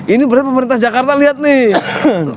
ini berarti pemerintah jakarta lihat nih